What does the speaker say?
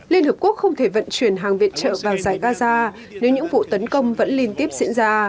liên hợp quốc không thể vận chuyển hàng viện trợ vào giải gaza nếu những vụ tấn công vẫn liên tiếp diễn ra